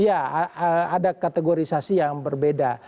iya ada kategorisasi yang berbeda